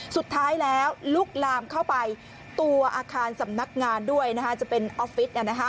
สุดท้ายแล้วลุกลามเข้าไปตัวอาคารสำนักงานด้วยจะเป็นออฟฟิศ